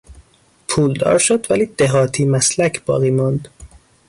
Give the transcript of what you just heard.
پولدار شد ولی دهاتی مسلک باقی ماند.